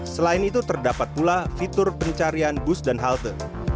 selain itu terdapat pula fitur pencarian bus dan halte